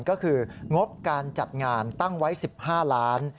ก็คืองบการจัดงานตั้งไว้๑๕ล้าน